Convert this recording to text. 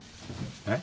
えっ？